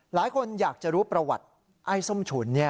หลายคนอยากจะรู้ประวัติไอ้ส้มฉุน